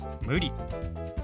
「無理」。